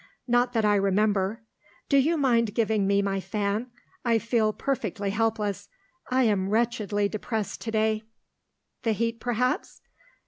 "Not that I remember. Do you mind giving me my fan? I feel perfectly helpless I am wretchedly depressed to day." "The heat, perhaps?"